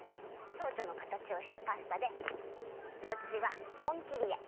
ちょうちょのかたちをしたパスタでこっちはコンキリエ。